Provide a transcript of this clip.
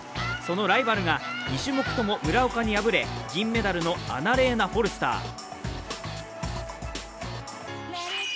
そのライバルが２種目とも村岡に敗れ、銀メダルのアナレーナ・フォルスター。